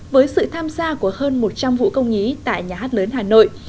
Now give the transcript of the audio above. với sự tham gia của hơn một trăm linh vũ công nhí tại nhà hát lớn hà nội